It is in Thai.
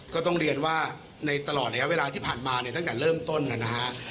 ก็ต้องเรียนว่าในตลอดระยะเวลาที่ผ่านมาเนี่ยตั้งแต่เริ่มต้นนะฮะ